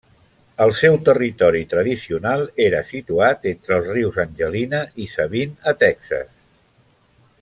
El seu territori tradicional era situat entre els rius Angelina i Sabine a Texas.